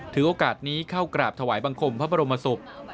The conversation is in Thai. ถือโอกาสนี้เข้ากราบถวายบังคมพระบรมศพ